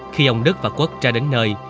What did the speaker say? khi ông đức và quất ra đến nơi